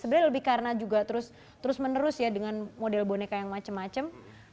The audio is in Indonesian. sebenarnya lebih karena juga terus menerus ya dengan model boneka yang macam macam